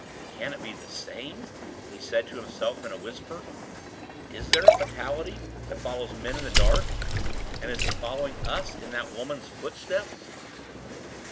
"Can it be the same?" he said to himself in a whisper. "Is there a fatality that follows men in the dark? And is it following us in that woman's footsteps?"